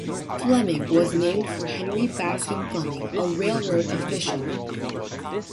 Fleming was named for Henry Bascom Fleming, a railroad official.